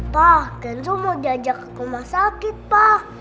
pak tentu mau diajak ke rumah sakit pak